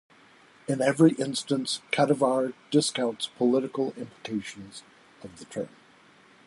In every instance, Kadivar discounts political implications of the term.